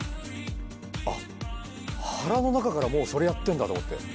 あっ腹の中からもうそれやってるんだと思って。